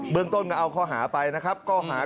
เบื้องต้นก็เอาข้อหาไปนะครับ